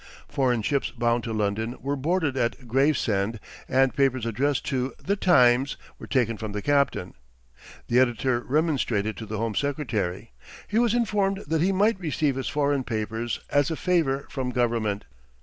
Foreign ships bound to London were boarded at Gravesend, and papers addressed to "The Times" were taken from the captain. The editor remonstrated to the Home Secretary. He was informed that he might receive his foreign papers as a favor from government.